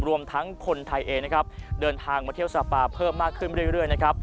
รวมทั้งคนไทยเองเดินทางมาเที่ยวซาปาเพิ่มมากขึ้นเรื่อย